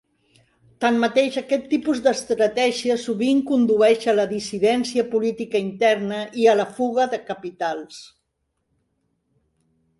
Tanmateix, aquest tipus d'estratègia sovint condueix a la dissidència política interna i a la fuga de capitals.